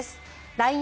ＬＩＮＥ